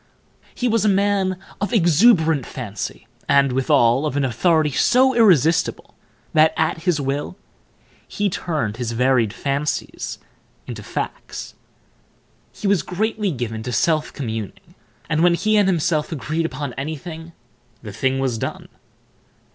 He was a man of exuberant fancy, and, withal, of an authority so irresistible that, at his will, he turned his varied fancies into facts. He was greatly given to self communing, and, when he and himself agreed upon anything, the thing was done.